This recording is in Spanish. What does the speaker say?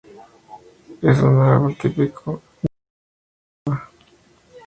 Es un árbol típico de laurisilva.